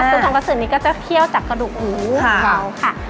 ซุปโทงคะซื้อนี้ก็จะเคี่ยวจากกระดูกอู๋ของเราค่ะ